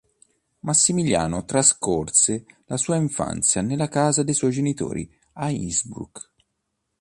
Massimiliano trascorse la sua infanzia nella casa dei suoi genitori a Innsbruck.